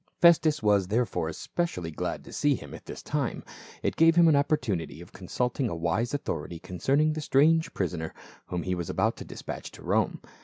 Festus was, therefore, especially glad to see him at this time ; it gave him an opportunity of consulting a wise authority concerning the strange prisoner whom he was about to dispatch to Rome.